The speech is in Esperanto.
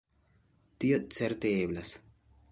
Tio certe eblas.